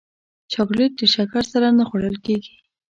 چاکلېټ د شکر سره نه خوړل کېږي.